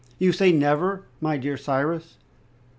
"You say 'Never,' my dear Cyrus?"